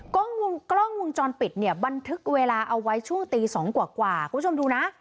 กล้องวงจรปิดเนี่ยบันทึกเวลาเอาไว้ช่วงตี๒กว่าคุณผู้ชมดูนะ